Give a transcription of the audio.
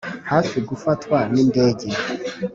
hafi gufatwa n' indege